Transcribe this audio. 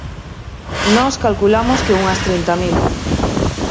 Nós calculamos que unhas trinta mil.